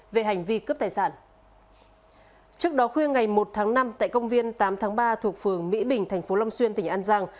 vào khuya ngày một tháng năm tại công viên tám tháng ba thuộc phường mỹ bình thành phố long xuyên tỉnh an giang